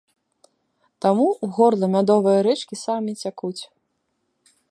Таму ў горла мядовыя рэчкі самі цякуць.